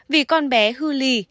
vì con bé hư lì